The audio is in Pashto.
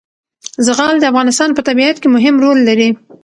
زغال د افغانستان په طبیعت کې مهم رول لري.